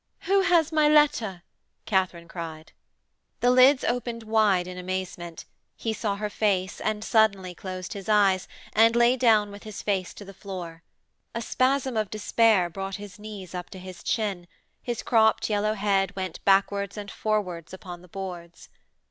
'Who has my letter?' Katharine cried. The lids opened wide in amazement, he saw her face and suddenly closed his eyes, and lay down with his face to the floor. A spasm of despair brought his knees up to his chin, his cropped yellow head went backwards and forwards upon the boards.